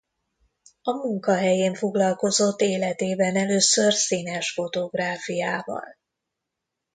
A munkahelyén foglalkozott életében először színes fotográfiával.